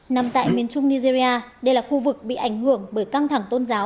nằm tại miền trung nigeria đây là khu vực bị ảnh hưởng bởi căng thẳng tôn giáo